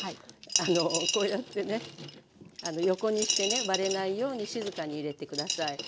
あのこうやってね横にしてね割れないように静かに入れて下さい。